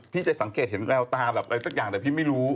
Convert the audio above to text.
จะสังเกตเห็นแววตาแบบอะไรสักอย่างแต่พี่ไม่รู้